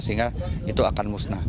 sehingga itu akan musnah